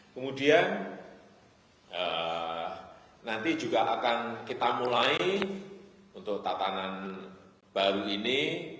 kemudian nanti juga akan kita mulai untuk tatanan baru ini